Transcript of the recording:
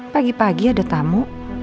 pagi pagi ada tamu